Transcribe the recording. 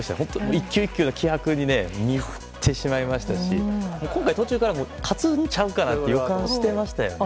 １球１球の気迫に見入ってしまいましたし今回、途中から勝つんちゃうかなっていう予感してましたよね。